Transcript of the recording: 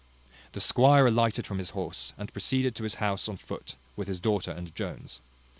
The squire alighted from his horse, and proceeded to his house on foot, with his daughter and Jones.